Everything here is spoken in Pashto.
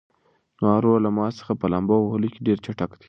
زما ورور له ما څخه په لامبو وهلو کې ډېر چټک دی.